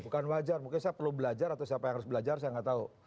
bukan wajar mungkin saya perlu belajar atau siapa yang harus belajar saya nggak tahu